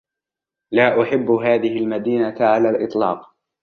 لا أحب هذه المدينة على الإطلاق.